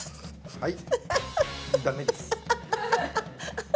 はい。